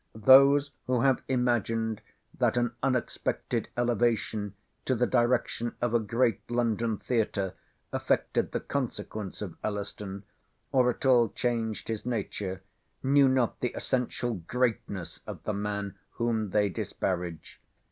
Those who have imagined that an unexpected elevation to the direction of a great London Theatre, affected the consequence of Elliston, or at all changed his nature, knew not the essential greatness of the man whom they disparage.